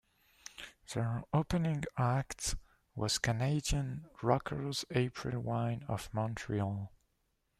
Their opening act was Canadian rockers April Wine of Montreal.